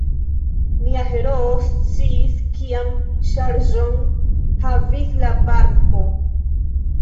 Mia heroo sciis, kian ŝarĝon havis la barko.